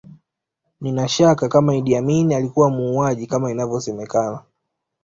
Nina shaka kama Idi Amin alikuwa muuaji kama inavyosemekana